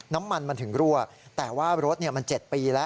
น้ำมันมันถึงรั่วแต่ว่ารถมัน๗ปีแล้ว